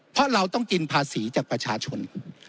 เพราะเราต้องกินภาษีจากประชาชน